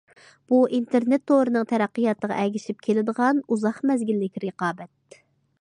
بۇ ئىنتېرنېت تورىنىڭ تەرەققىياتىغا ئەگىشىپ كېلىدىغان ئۇزاق مەزگىللىك رىقابەت.